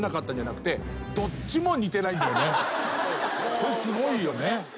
それすごいよね。